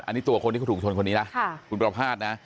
อันนี้ตัวคนที่เขาถูกชนคนนี้นะคุณประภาษณ์นะ